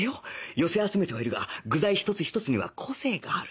寄せ集めてはいるが具材一つ一つには個性がある